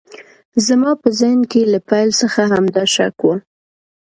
زما په ذهن کې له پیل څخه همدا شک و